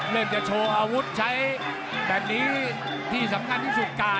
จะโชว์อาวุธใช้แบบนี้ที่สำคัญที่สุดกา